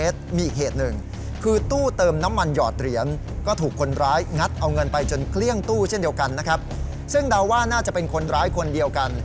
ซึ่งเดาว่าน่าจะเป็นคนร้ายคนเดียวกัน